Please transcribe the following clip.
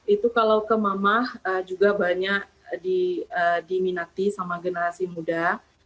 itu kalau kemamah juga banyak diminati sama generasi muda